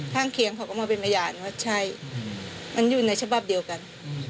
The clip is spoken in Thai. ข้างเคียงเขาก็มาเป็นพยานว่าใช่มันอยู่ในฉบับเดียวกัน